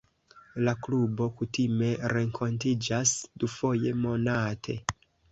La klubo kutime renkontiĝas dufoje monate.